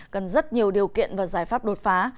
cần rất nhiều điều kiện và giải pháp đột phá